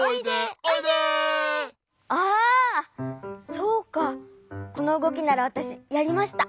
そうかこのうごきならわたしやりました。